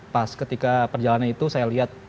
pas ketika perjalanan itu saya lihat